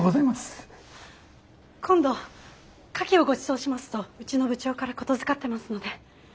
今度カキをごちそうしますとうちの部長から言づかってますので。